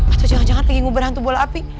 atau jangan jangan lagi ngubah hantu bola api